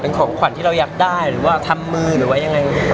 เป็นของขวัญที่เราอยากได้หรือว่าทำมือหรือว่ายังไง